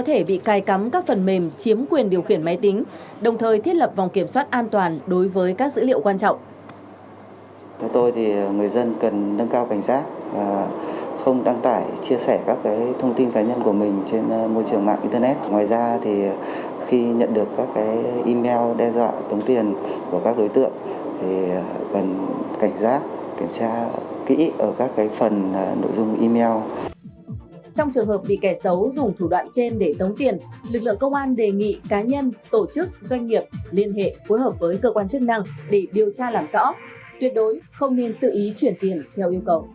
tuyệt đối không nên tự ý chuyển tiền theo yêu cầu